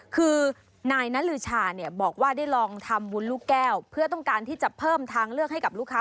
คือนายนลือชาเนี่ยบอกว่าได้ลองทำบุญลูกแก้วเพื่อต้องการที่จะเพิ่มทางเลือกให้กับลูกค้า